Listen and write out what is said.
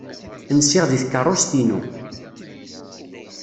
Nsiɣ deg tkeṛṛust-inu.